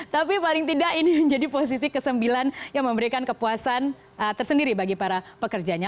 tapi paling tidak ini menjadi posisi ke sembilan yang memberikan kepuasan tersendiri bagi para pekerjanya